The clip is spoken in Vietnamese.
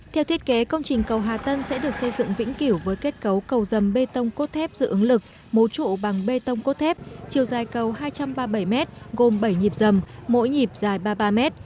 theo thiết kế công trình cầu hà tân sẽ được xây dựng vĩnh kiểu với kết cấu cầu dầm bê tông cốt thép dự ứng lực mối trụ bằng bê tông cốt thép chiều dài cầu hai trăm ba mươi bảy m gồm bảy nhịp rầm mỗi nhịp dài ba mươi ba mét